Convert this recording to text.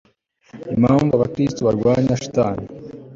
impamvu abakristo barwanywa shitani